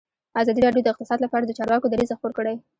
ازادي راډیو د اقتصاد لپاره د چارواکو دریځ خپور کړی.